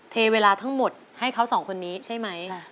เทเวลาทั้งหมดให้เขาสองคนนี้ใช่ไหม